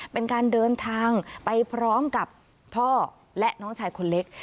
เป็นการเดินทางไปพร้อมกับพ่อและน้องชายคนเล็ก